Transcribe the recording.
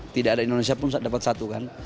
tidak ada indonesia pun dapat satu kan